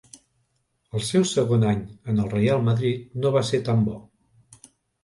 El seu segon any en el Reial Madrid no va ser tan bo.